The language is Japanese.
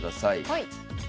はい。